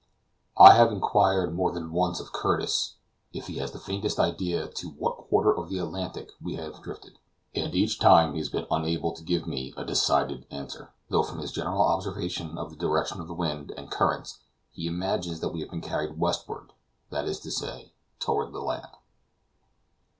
I have inquired more than once of Curtis if he has the faintest idea to what quarter of the Atlantic we have drifted, and each time he has been unable to give me a decided answer, though from his general observation of the direction of the wind and currents he imagines that we have been carried westward, that is to say, toward the land.